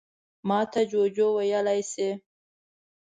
_ماته جُوجُو ويلی شې.